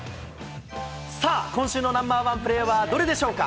さあ、今週のナンバーワンプレーはどれでしょうか。